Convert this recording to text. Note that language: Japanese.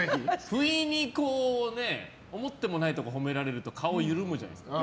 ふいに、思ってもないところを褒められると顔が緩むじゃないですか。